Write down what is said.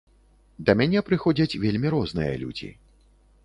Да мяне прыходзяць вельмі розныя людзі.